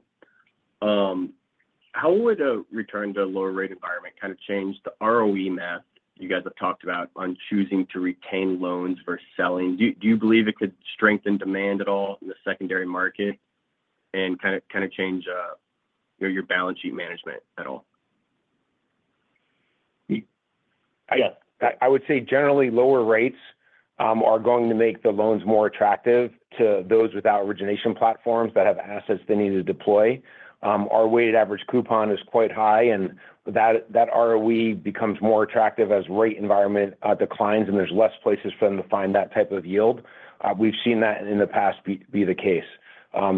How would a return to a lower rate environment kind of change the ROE math you guys have talked about on choosing to retain loans for selling? Do you believe it could strengthen demand at all in the secondary market and kind of change, you know, your balance sheet management at all? I would say generally, lower rates are going to make the loans more attractive to those without origination platforms that have assets they need to deploy. Our weighted average coupon is quite high, and that ROE becomes more attractive as rate environment declines, and there's less places for them to find that type of yield. We've seen that in the past been the case.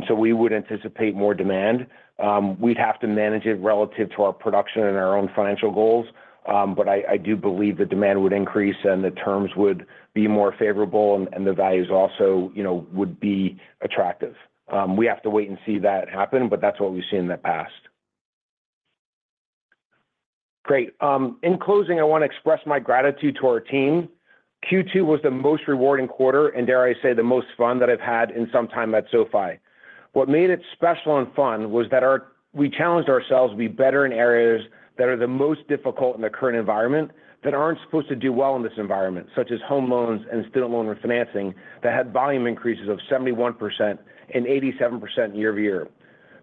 So we would anticipate more demand. We'd have to manage it relative to our production and our own financial goals, but I do believe the demand would increase and the terms would be more favorable and the values also, you know, would be attractive. We have to wait and see that happen, but that's what we've seen in the past. Great. In closing, I wanna express my gratitude to our team. Q2 was the most rewarding quarter, and dare I say, the most fun that I've had in some time at SoFi. What made it special and fun was that we challenged ourselves to be better in areas that are the most difficult in the current environment, that aren't supposed to do well in this environment, such as home loans and student loan refinancing, that had volume increases of 71% and 87% year-over-year.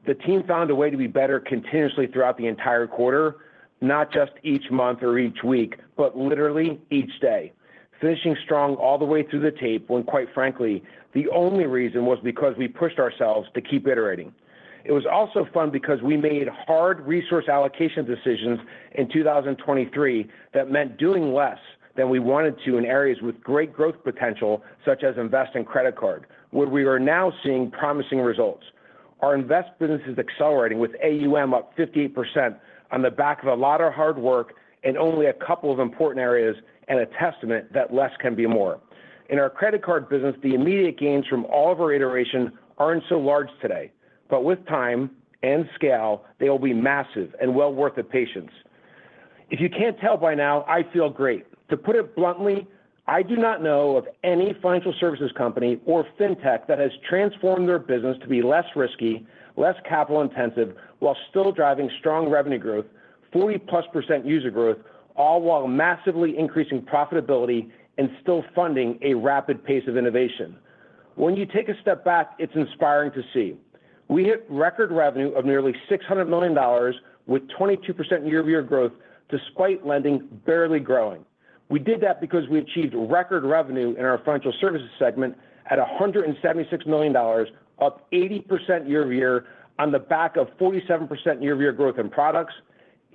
The team found a way to be better continuously throughout the entire quarter, not just each month or each week, but literally each day, finishing strong all the way through the tape, when, quite frankly, the only reason was because we pushed ourselves to keep iterating. It was also fun because we made hard resource allocation decisions in 2023 that meant doing less than we wanted to in areas with great growth potential, such as Invest and credit card, where we are now seeing promising results. Our Invest business is accelerating, with AUM up 58% on the back of a lot of hard work and only a couple of important areas and a testament that less can be more. In our credit card business, the immediate gains from all of our iteration aren't so large today, but with time and scale, they will be massive and well worth the patience. If you can't tell by now, I feel great. To put it bluntly, I do not know of any financial services company or fintech that has transformed their business to be less risky, less capital-intensive, while still driving strong revenue growth, 40+% user growth, all while massively increasing profitability and still funding a rapid pace of innovation. When you take a step back, it's inspiring to see. We hit record revenue of nearly $600 million with 22% year-over-year growth, despite lending barely growing. We did that because we achieved record revenue in our financial services segment at a $176 million, up 80% year-over-year on the back of 47% year-over-year growth in products,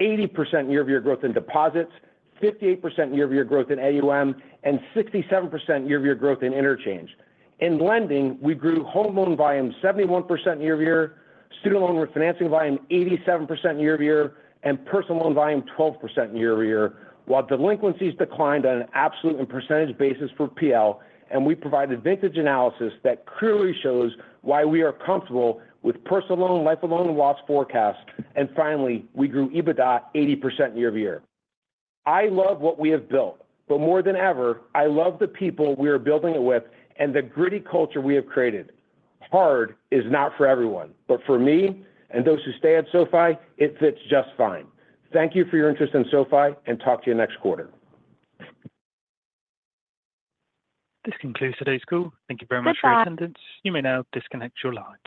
80% year-over-year growth in deposits, 58% year-over-year growth in AUM, and 67% year-over-year growth in interchange. In lending, we grew home loan volume 71% year-over-year, student loan refinancing volume 87% year-over-year, and personal loan volume 12% year-over-year, while delinquencies declined on an absolute and percentage basis for PL. We provided vintage analysis that clearly shows why we are comfortable with personal loan, lifetime loan loss forecasts. Finally, we grew EBITDA 80% year-over-year. I love what we have built, but more than ever, I love the people we are building it with and the gritty culture we have created. Hard is not for everyone, but for me and those who stay at SoFi, it fits just fine. Thank you for your interest in SoFi, and talk to you next quarter. This concludes today's call. Thank you very much for attendance. You may now disconnect your line.